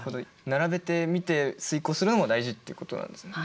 並べてみて推こうするのも大事っていうことなんですね。